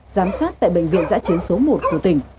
giám sát tại bệnh viện giã chiến số một của tỉnh